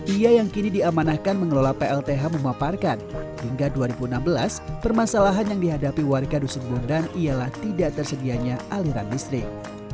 ia yang kini diamanahkan mengelola plth memaparkan hingga dua ribu enam belas permasalahan yang dihadapi warga dusun bondan ialah tidak tersedianya aliran listrik